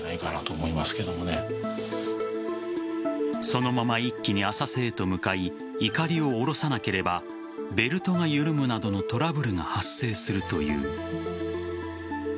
そのまま一気に浅瀬へと向かいいかりを下ろさなければベルトが緩むなどのトラブルが発生するという。